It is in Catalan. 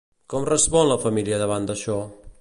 Com respon la família davant d'això?